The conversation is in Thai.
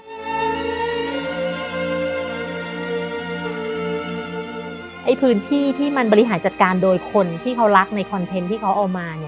พื้นที่ที่มันบริหารจัดการโดยคนที่เขารักในคอนเทนต์ที่เขาเอามา